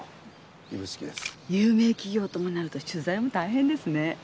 有名企業ともなると取材も大変ですね。